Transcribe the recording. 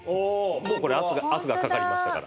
もうこれ圧がかかりましたから。